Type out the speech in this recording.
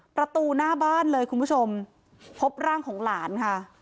ประตูหน้าบ้านเลยคุณผู้ชมพบร่างของหลานค่ะ